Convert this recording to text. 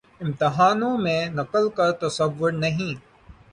امتحانوں میں نقل کا تصور نہیں۔